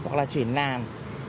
hoặc là chuyển làm